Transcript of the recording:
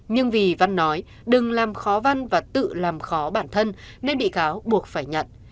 nhưng vì văn nói đừng làm khó văn và tự làm khó bản thân nên bị cáo buộc phải nhận